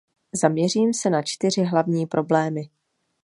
Zaměřím se na čtyři hlavní problémy.